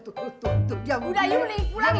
dia mungkin dia mungkin minum obat lagi